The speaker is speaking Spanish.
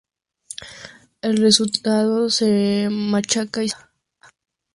El resultado se machaca y se usa.